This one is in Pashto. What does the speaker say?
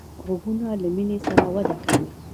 غوږونه له مینې سره وده کوي